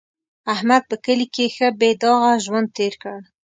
احمد په کلي کې ښه بې داغه ژوند تېر کړ.